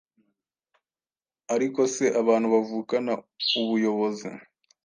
Ariko se, abantu bavukana ubuyobozi